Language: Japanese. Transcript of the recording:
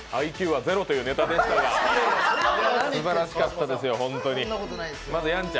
ＩＱはゼロというネタですがすばらしかったですよ、本当に。